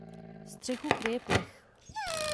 Střechu kryje plech.